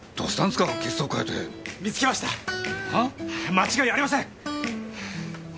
間違いありません！